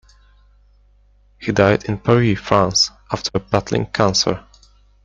He died in Paris, France, after battling cancer.